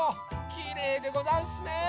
きれいでござんすねえ！